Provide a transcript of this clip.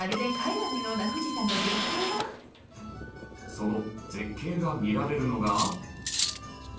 その絶景が見られるのが。